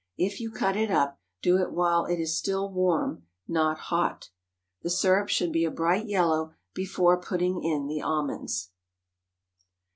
If you cut it up, do it while it is still warm—not hot. The syrup should be a bright yellow before putting in the almonds.